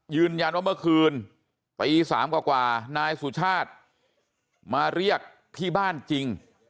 ยืนยันว่าเมื่อคืนตี๓กว่านายสุชาติมาเรียกที่บ้านจริง